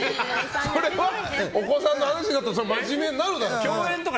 それはお子さんの話になったら真面目になるだろ。